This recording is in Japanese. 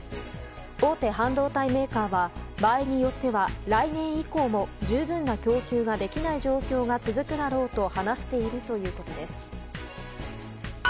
大手半導体メーカーは場合によっては来年以降も十分な供給ができない状況が続くだろうと話しているということです。